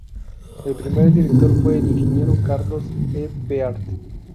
El primer Director fue el Ing. Carlos E. Peart.